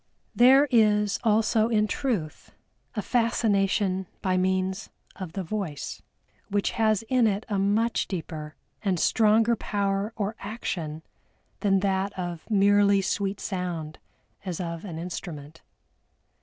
There is also in truth a Fascination by means of the Voice, which has in it a much deeper and stronger power or action than that of merely sweet sound as of an instrument.